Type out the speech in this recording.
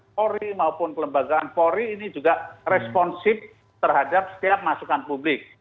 polri maupun kelembagaan polri ini juga responsif terhadap setiap masukan publik